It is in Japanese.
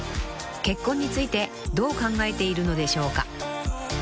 結婚についてどう考えているのでしょうか？］